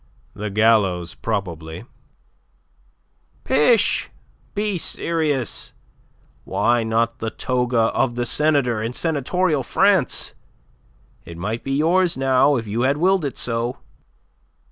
"The gallows, probably." "Pish! Be serious. Why not the toga of the senator in senatorial France? It might be yours now if you had willed it so."